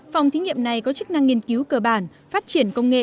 phòng thí nghiệm này có chức năng nghiên cứu cơ bản phát triển công nghệ